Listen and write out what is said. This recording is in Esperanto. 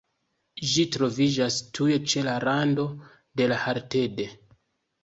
Ĝi troviĝas tuj ĉe la rando de la Haardt.